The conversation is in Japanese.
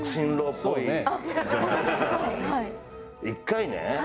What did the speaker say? １回ね